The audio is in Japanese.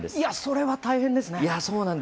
それは大変ですね。